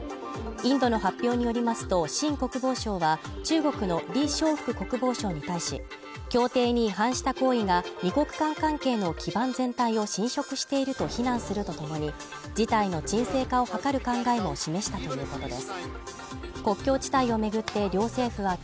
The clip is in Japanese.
インドの発表によりますとシン国防相は中国の李尚福国防相に対し、協定に反した行為が２国間関係の基盤全体を侵食していると非難するとともに、事態の沈静化を図る考えを示したということです。